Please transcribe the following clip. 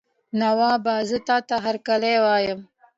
نوابه زه تاته هرکلی وایم.